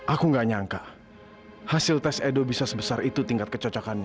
aku gak nyangka hasil tes edo bisa sebesar itu tingkat kecocokannya